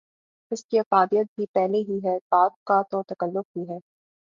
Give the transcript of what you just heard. اس کی افادیت بھی پہلے ہی ہے، بعد کا تو تکلف ہی ہے۔